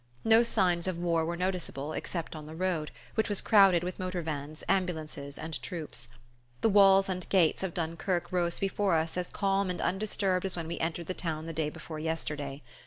No signs of war were noticeable except on the road, which was crowded with motor vans, ambulances and troops. The walls and gates of Dunkerque rose before us as calm and undisturbed as when we entered the town the day before yesterday.